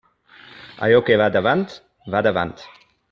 Allò que va davant, va davant.